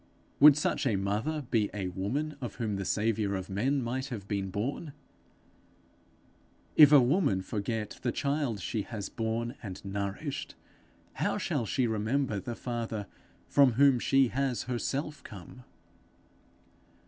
Would such a mother be a woman of whom the saviour of men might have been born? If a woman forget the child she has borne and nourished, how shall she remember the father from whom she has herself come?